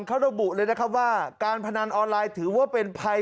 เขาระบุเลยนะครับว่าการพนันออนไลน์ถือว่าเป็นภัย